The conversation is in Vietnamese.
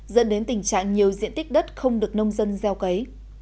dẫn đến tình trạng nhiều diện tích đất không được nông dân gieo cấy